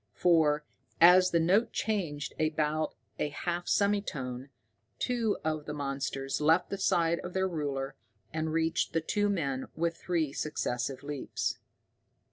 For, as the note changed about a half semitone, two of the monsters left the side of their ruler and reached the two men with three successive leaps.